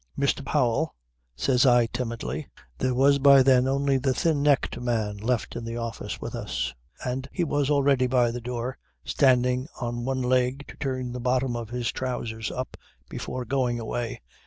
"Mr. Powell," says I timidly (there was by then only the thin necked man left in the office with us and he was already by the door, standing on one leg to turn the bottom of his trousers up before going away).